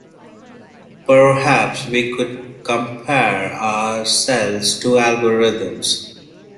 Perhaps we could compare our cells to algorithms.